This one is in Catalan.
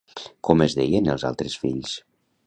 Com es deien els altres fills?